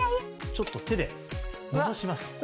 ちょっと手でのばします。